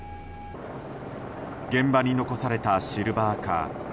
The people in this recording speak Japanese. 現場に残されたシルバーカー。